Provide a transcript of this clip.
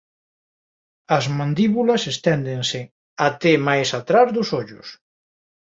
Aas mandíbulas esténdense até máis atrás dos ollos.